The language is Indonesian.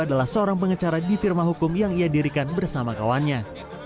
adalah seorang pengecara di firma hukum yang ia dirikan bersama kawannya